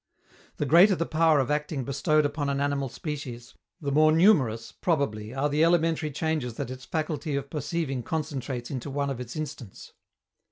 The greater the power of acting bestowed upon an animal species, the more numerous, probably, are the elementary changes that its faculty of perceiving concentrates into one of its instants.